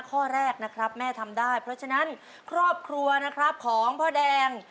ข้อแรกนะครับแม่ทำได้เพราะฉะนั้นครอบครัวนะครับของพ่อแดง